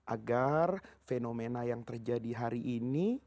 agar fenomena yang terjadi hari ini